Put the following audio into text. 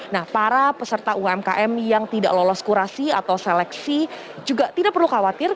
nah para peserta umkm yang tidak lolos kurasi atau seleksi juga tidak perlu khawatir